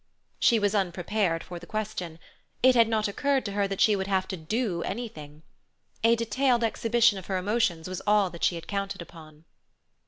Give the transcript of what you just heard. She was unprepared for the question. It had not occurred to her that she would have to do anything. A detailed exhibition of her emotions was all that she had counted upon.